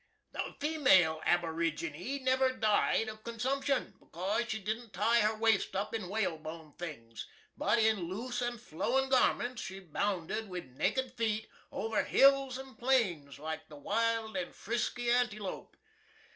The female Aboorygine never died of consumption, because she didn't tie her waist up in whale bone things; but in loose and flowin' garments she bounded, with naked feet, over hills and plains, like the wild and frisky antelope.